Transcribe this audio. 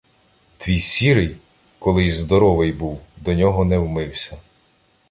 Твій сірий, коли й здоровий був, до нього не вмився.